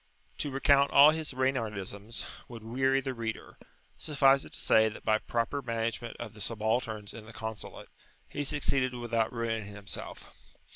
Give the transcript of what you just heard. To recount all his Reynardisms would weary the reader; suffice it to say that by proper management of the subalterns in the consulate, he succeeded without ruining himself.